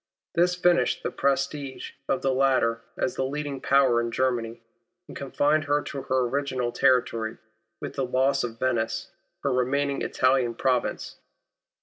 This finished the prestige of the latter as the leading power in Germany, and confined her to her original territory, with the loss of Venice, her remaining Italian province.